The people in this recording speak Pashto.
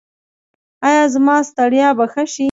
ایا زما ستړیا به ښه شي؟